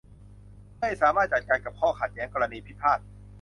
เพื่อให้สามารถจัดการกับข้อขัดแย้งกรณีพิพาท